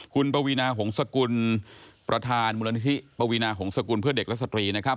คุณปวีนาหงษกุลประธานมูลนิธิปวีนาหงษกุลเพื่อเด็กและสตรีนะครับ